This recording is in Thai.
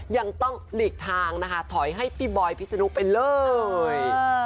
ยังต้องหลีกทางนะคะถอยให้พี่บอยพิศนุไปเลย